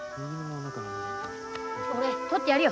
俺撮ってやるよ。